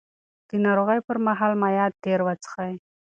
د ناروغۍ پر مهال مایعات ډېر وڅښئ.